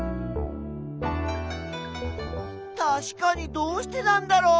たしかにどうしてなんだろう？